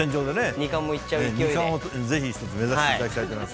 ２冠をぜひ目指していただきたいと思います。